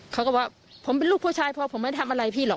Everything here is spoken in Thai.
เขาก็ว่าผมเป็นลูกผู้ชายพอผมไม่ทำอะไรพี่หรอก